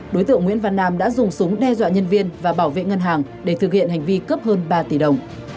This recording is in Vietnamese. đối tượng nguyễn văn nam đã dùng súng đe dọa nhân viên và bảo vệ ngân hàng để thực hiện hành vi cướp hơn ba tỷ đồng